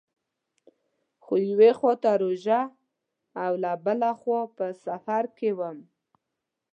خو یوې خوا ته روژه او له بله پلوه په سفر کې وم.